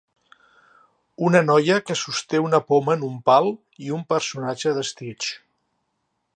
Una noia que sosté una poma en un pal i un personatge de Stitch.